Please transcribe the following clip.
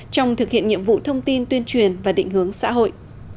trong thực hiện nhiệm vụ thông tin tuyên truyền và định hướng xã hội